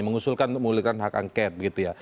mengusulkan menggulirkan hak angket